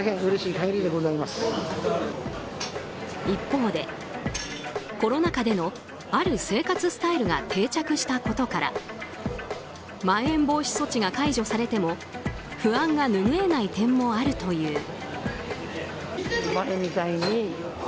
一方で、コロナ禍でのある生活スタイルが定着したことからまん延防止措置が解除されても不安が拭えない点もあるという。